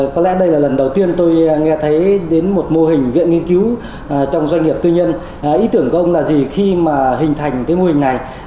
có lẽ đây là lần đầu tiên tôi nghe thấy đến một mô hình viện nghiên cứu trong doanh nghiệp tư nhân